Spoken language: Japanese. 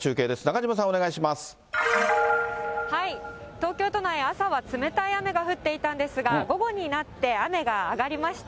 東京都内、朝は冷たい雨が降っていたんですが、午後になって雨が上がりました。